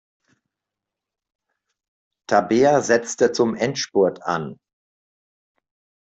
Tabea setzte zum Endspurt an.